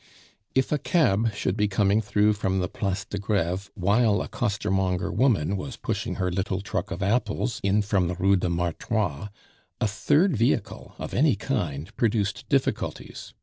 If a cab should be coming through from the Place de Greve while a costermonger woman was pushing her little truck of apples in from the Rue du Martroi, a third vehicle of any kind produced difficulties.